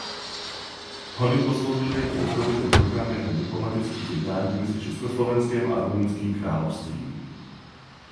Hony posloužily jako doprovodný program během diplomatických jednáních mezi Československem a Rumunským královstvím.